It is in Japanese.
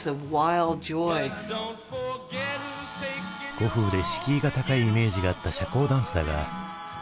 古風で敷居が高いイメージがあった社交ダンスだが。